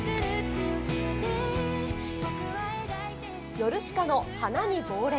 ヨルシカの花に亡霊。